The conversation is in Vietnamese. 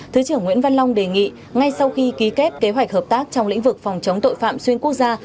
thứ trưởng nguyễn văn long đề nghị ngay sau khi ký kết kế hoạch hợp tác trong lĩnh vực phòng chống tội phạm xuyên quốc gia